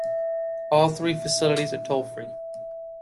All three facilities are toll-free.